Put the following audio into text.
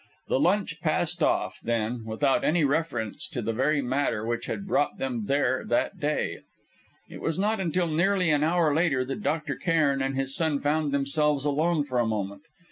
The lunch passed off, then, without any reference to the very matter which had brought them there that day. It was not until nearly an hour later that Dr. Cairn and his son found themselves alone for a moment.